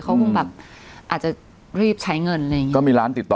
เขาคงแบบอาจจะรีบใช้เงินอะไรอย่างเงี้ก็มีร้านติดต่อ